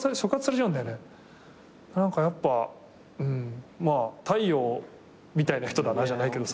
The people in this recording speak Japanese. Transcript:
何かやっぱ太陽みたいな人だなじゃないけどさ。